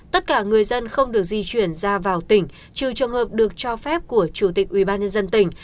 tất cả người dân không được di chuyển ra vào tỉnh trừ trường hợp được cho phép của chủ tịch ubnd tỉnh